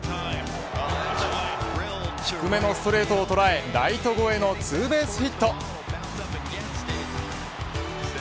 低めのストレートを捉えライト越えのツーベースヒット。